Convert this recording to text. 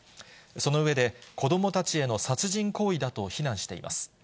その上で、子どもたちへの殺人行為だと非難しています。